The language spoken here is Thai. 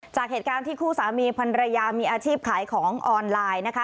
จากเหตุการณ์ที่คู่สามีพันรยามีอาชีพขายของออนไลน์นะคะ